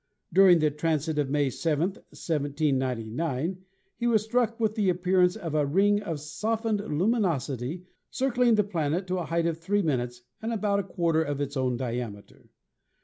During the transit of May 7, 1799, he was struck with the appearance of a ring of softened luminosity circling the planet to a height of 3" and about a quarter of its own diameter.